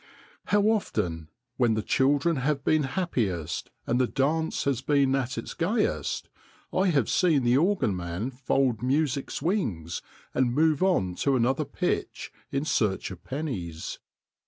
STREET ORGANS 151 How often, when the children have been happiest and the dance has been at its gayest, I have seen the organ man fold music's wings and move on to another pitch in search of pennies